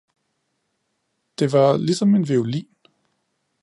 Det var ligesom en violin